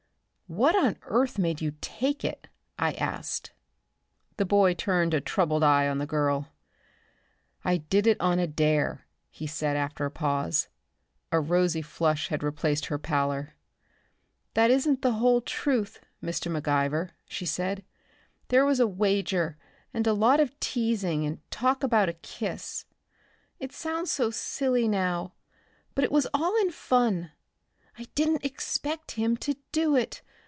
"What on earth made you take it?" I asked. The boy turned a troubled eye on the girl. "I did it on a dare," he said after a pause. A rosy flush had replaced her pallor. "That isn't the whole truth, Mr. McIver," she said. "There was a wager, and a lot of teasing, and talk about a kiss. It sounds so silly now, but it was all in fun. I didn't expect him to do it.